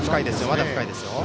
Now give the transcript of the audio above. まだ深いですよ。